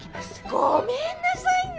ごめんなさいね